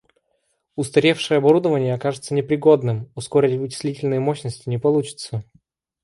Устаревшее оборудование окажется непригодным: ускорить вычислительные мощности не получится